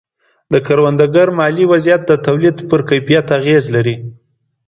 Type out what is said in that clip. د کروندګرو مالي وضعیت د تولید پر کیفیت اغېز لري.